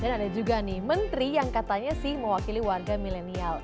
dan ada juga nih menteri yang katanya sih mewakili warga milenial